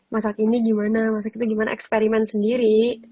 masak ini gimana masak itu gimana eksperimen sendiri